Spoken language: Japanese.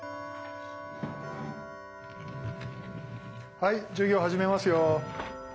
はい授業始めますよ。